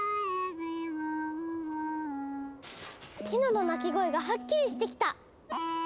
ティノの鳴き声がはっきりしてきた！